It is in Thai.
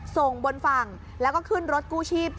ส่งบนฝั่งแล้วก็ขึ้นรถกู้ชีพ